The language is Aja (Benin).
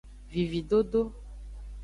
Vividodo.